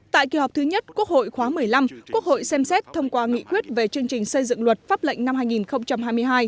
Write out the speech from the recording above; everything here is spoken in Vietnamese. tại kỳ họp thứ nhất quốc hội khóa một mươi năm quốc hội xem xét thông qua nghị quyết về chương trình xây dựng luật pháp lệnh năm hai nghìn hai mươi hai